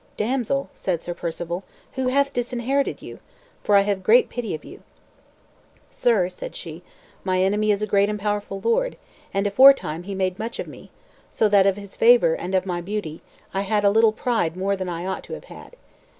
"Damsel," said Sir Perceval, "who hath disinherited you? for I have great pity of you." "Sir," said she, "my enemy is a great and powerful lord, and aforetime he made much of me, so that of his favor and of my beauty I had a little pride more than I ought to have had.